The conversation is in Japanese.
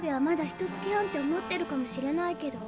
ひとつき半って思ってるかもしれないけど